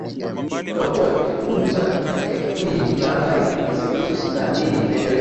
tutakuwa tukikujuza katika kipindi hiki cha habari rafiki siku hizo sita nini kinaendelea